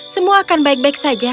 semua akan baik baik saja